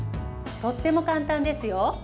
とっても簡単ですよ。